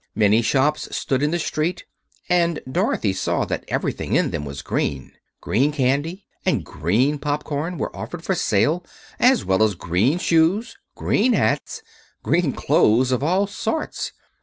Many shops stood in the street, and Dorothy saw that everything in them was green. Green candy and green pop corn were offered for sale, as well as green shoes, green hats, and green clothes of all sorts.